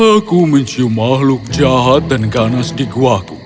aku mencium makhluk jahat dan ganas di guaku